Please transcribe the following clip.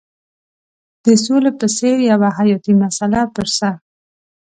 د سولې په څېر یوه حیاتي مسله پر سر.